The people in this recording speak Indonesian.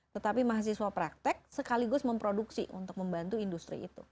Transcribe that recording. tetapi mahasiswa praktek sekaligus memproduksi untuk membantu industri itu